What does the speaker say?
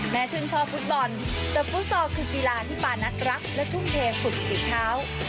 ชื่นชอบฟุตบอลแต่ฟุตซอลคือกีฬาที่ปานัทรักและทุ่มเทฝึกฝีเท้า